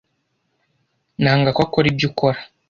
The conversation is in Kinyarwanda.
nanga ko akora ibyo ukora. ...